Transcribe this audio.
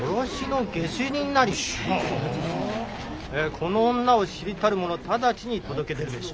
この女を知りたる者直ちに届け出るべし。